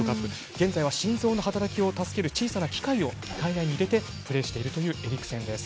現在は心臓の働きを助ける小さな機械を体内に入れてプレーしているエリクセンです。